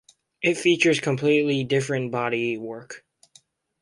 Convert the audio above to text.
It features completely different body work.